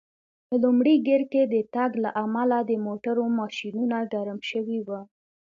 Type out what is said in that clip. په لومړي ګېر کې د تګ له امله د موټرو ماشینونه ګرم شوي و.